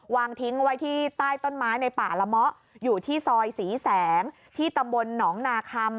วางทิ้งไว้ที่ใต้ต้นไม้ในป่าละเมาะอยู่ที่ซอยศรีแสงที่ตำบลหนองนาคำ